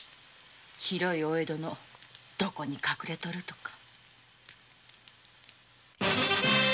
広いお江戸のどこに隠れとるとか。